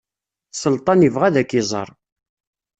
Selṭan ibɣa ad ak-iẓer.